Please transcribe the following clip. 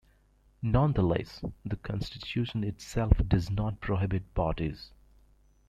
Nonetheless, the constitution itself does not prohibit parties.